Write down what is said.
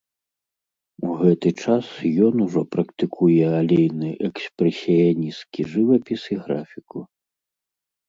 У гэты час ён ужо практыкуе алейны экспрэсіянісцкі жывапіс і графіку.